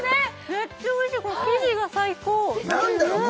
めっちゃおいしいこの生地が最高なんだよ